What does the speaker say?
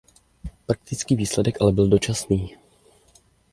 Praktický výsledek ale byl dočasný.